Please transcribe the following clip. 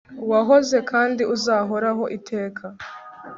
wahozeho kandi uzahoraho iteka